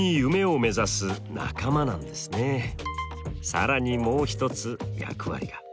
更にもう一つ役割が。